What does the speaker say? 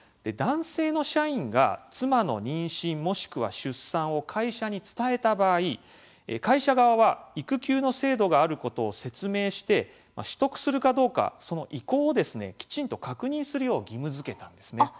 男性の社員が妻の妊娠もしくは出産を会社に伝えた場合、会社側は育休の制度があることを説明して取得するかどうかその意向をきちんと確認するよう義務付けたんですね。